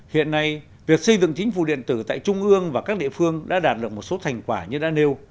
hiện nay việc xây dựng chính phủ điện tử tại trung ương và các địa phương đã đạt được một số thành quả như đã nêu